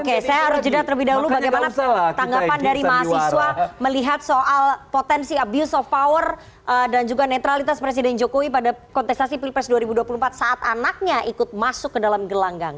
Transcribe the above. oke saya harus jeda terlebih dahulu bagaimana tanggapan dari mahasiswa melihat soal potensi abuse of power dan juga netralitas presiden jokowi pada kontestasi pilpres dua ribu dua puluh empat saat anaknya ikut masuk ke dalam gelanggang